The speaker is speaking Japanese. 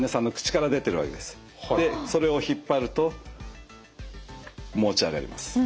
でそれを引っ張ると持ち上がります。